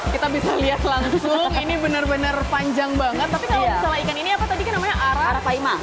kita bisa lihat langsung ini benar benar panjang banget tapi kalau misalnya ikan ini apa tadi kan namanya ara arapaima